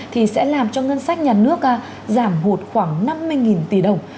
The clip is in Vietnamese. thì sẽ làm cho ngân sách nhà nước giảm hụt khoảng năm mươi tỷ đồng